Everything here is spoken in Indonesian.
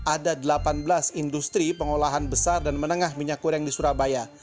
ada delapan belas industri pengolahan besar dan menengah minyak goreng di surabaya